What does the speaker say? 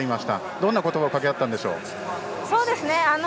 どんな言葉をかけ合ったんでしょう。